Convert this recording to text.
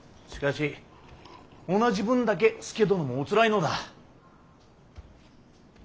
しかし同じ分だけ佐殿もおつらいのだ。